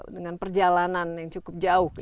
dengan perjalanan yang cukup jauh